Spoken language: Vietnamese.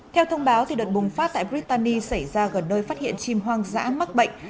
theo thông báo đợt bùng phát tại brittany xảy ra gần nơi phát hiện chim hoang dã mắc bệnh